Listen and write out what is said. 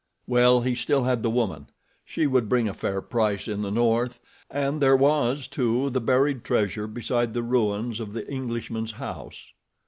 Well, he still had the woman. She would bring a fair price in the north, and there was, too, the buried treasure beside the ruins of the Englishman's house.